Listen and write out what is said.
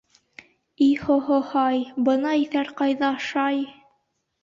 — Иһ-һо-һо-һай, бына иҫәр ҡайҙа, шай!